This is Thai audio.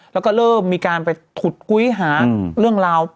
แล้วก็เริ่มมีการไปขุดคุยหาเรื่องราว